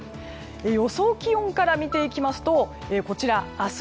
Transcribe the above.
予想気温から見ていきますと明日